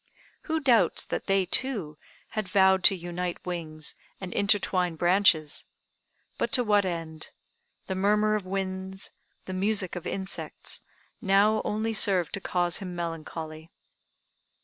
Who doubts that they, too, had vowed to unite wings, and intertwine branches! But to what end? The murmur of winds, the music of insects, now only served to cause him melancholy.